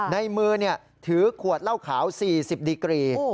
ในมือถือขวดเหล้าขาว๔๐ดีกรี